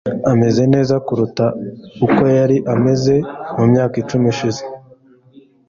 Ameze neza kuruta uko yari ameze mu myaka icumi ishize